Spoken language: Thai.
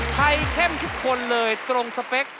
เข้มทุกคนเลยตรงสเปค